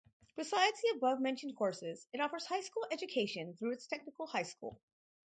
Besides the above-mentioned courses, it offers high school education through its Technical High School.